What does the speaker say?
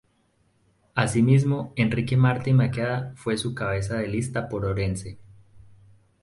Asimismo, Enrique Martí Maqueda fue su cabeza de lista por Orense.